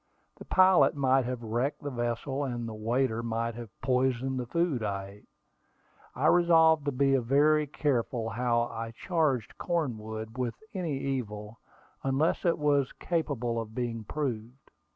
The pilot might have wrecked the vessel, and the waiter might have poisoned the food I ate. I resolved to be very careful how I charged Cornwood with any evil, unless it was capable of being proved.